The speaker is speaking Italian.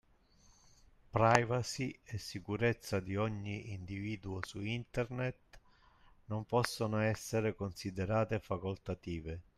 Privacy e sicurezza di ogni individuo su internet non possono essere considerate facoltative.